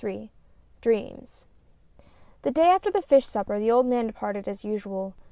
DREAMS . ri^HE day after the fish supper, the old man departed X as usual.